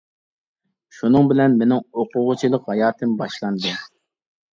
شۇنىڭ بىلەن مىنىڭ ئوقۇغۇچىلىق ھاياتىم باشلاندى.